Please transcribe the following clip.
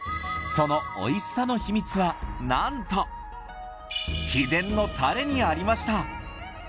そのおいしさの秘密はなんと秘伝のタレにありました。